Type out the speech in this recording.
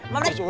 mày vào đây